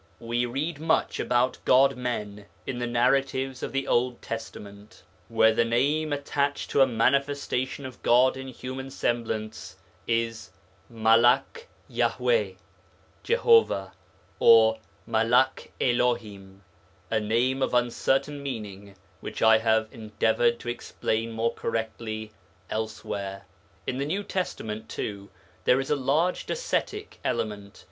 We read much about God men in the narratives of the Old Testament, where the name attached to a manifestation of God in human semblance is 'malak Yahwè (Jehovah)' or 'malak Elohim' a name of uncertain meaning which I have endeavoured to explain more correctly elsewhere. In the New Testament too there is a large Docetic element.